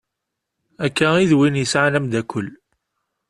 Akka i d win yesɛan amddakel.